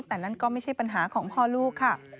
แต่นั่นก็ไม่ใช่ปัญหาของพ่อลูกค่ะ